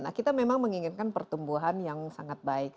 nah kita memang menginginkan pertumbuhan yang sangat baik